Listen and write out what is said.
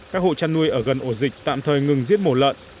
các hộ chăn nuôi ở gần ổ dịch tạm thời ngừng giết mổ lợn